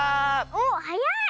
おっはやい！